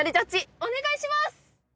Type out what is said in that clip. お願いします！